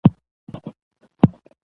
موږ په بدو کې ښځې ورکوو